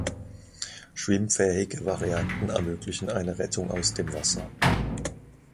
Schwimmfähige Varianten ermöglichen eine Rettung aus dem Wasser.